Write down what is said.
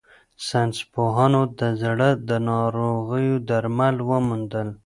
ساینس پوهانو د زړه د ناروغیو درمل وموندل.